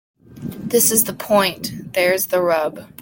This is the point. There's the rub.